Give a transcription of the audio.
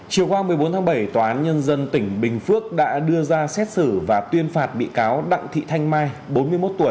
chiều qua một mươi bốn tháng bảy tòa án nhân dân tỉnh bình phước đã đưa ra xét xử và tuyên phạt bị cáo đặng thị thanh mai bốn mươi một tuổi